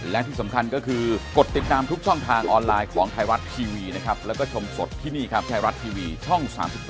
แล้วเราก็มาช่วยกัน